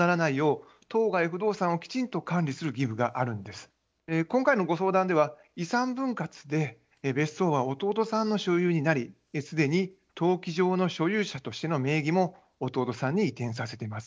すなわち今回のご相談では遺産分割で別荘は弟さんの所有になり既に登記上の所有者としての名義も弟さんに移転させています。